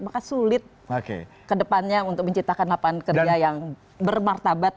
maka sulit kedepannya untuk menciptakan lapangan kerja yang bermartabat